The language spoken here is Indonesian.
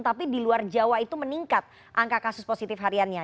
tapi di luar jawa itu meningkat angka kasus positif hariannya